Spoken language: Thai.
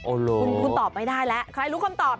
คุณตอบไม่ได้แล้วใครรู้คำตอบ